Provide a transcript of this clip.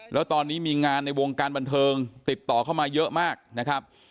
แล้วตอนนี้มีงานในวงการบันเทิงติดต่อเข้ามาเยอะมากนะครับ